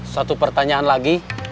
satu pertanyaan lagi